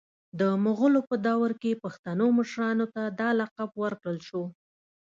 د مغولو په دور کي پښتنو مشرانو ته دا لقب ورکړل سو